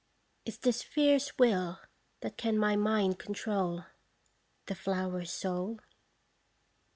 Is this fierce will, that can my mind control, The flower's soul?